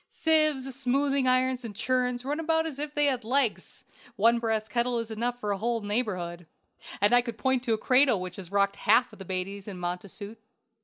"Sieves, smoothing irons, and churns run about as if they had legs; one brass kettle is enough for a whole neighborhood, and I could point to a cradle which has rocked half the babies in Montacute.